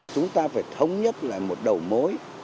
chúng ta phải thống nhất lại một đầu mối